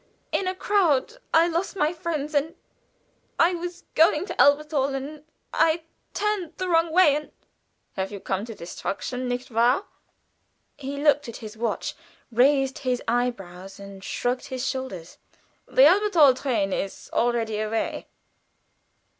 "In a crowd I lost my friends, and I was going to Elberthal, and I turned the wrong way and " "Have come to destruction, nicht wahr?" He looked at his watch, raised his eyebrows and shrugged his shoulders. "The Elberthal train is already away."